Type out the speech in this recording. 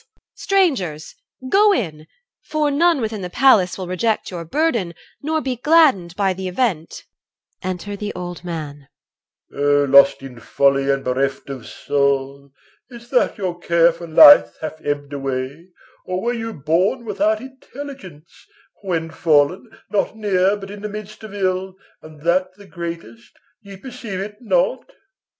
EL. (loudly). Strangers, go in! For none within the palace will reject Your burden, nor be gladdened by the event. Enter the Old Man. OLD M. O lost in folly and bereft of soul! Is't that your care for life hath ebbed away, Or were you born without intelligence, When fallen, not near, but in the midst of ill, And that the greatest, ye perceive it not?